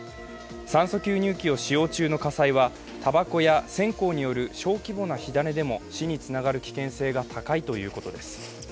酸素吸入器を使用中の火災はたばこや線香による小規模な火種でも死につながる危険性が高いということです。